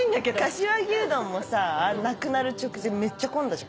柏木うどんもさなくなる直前めっちゃ混んだじゃん。